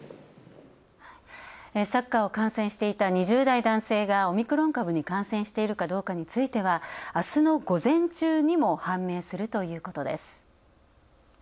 サッカーを観戦していた２０代男性がオミクロン株に感染しているかどうかについてはあすの午前中にも判明するということです。